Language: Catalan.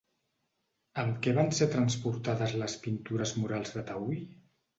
Amb què van ser transportades les pintures murals de Taüll?